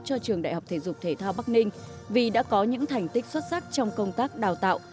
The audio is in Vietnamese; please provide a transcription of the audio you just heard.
cho trường đại học thể dục thể thao bắc ninh vì đã có những thành tích xuất sắc trong công tác đào tạo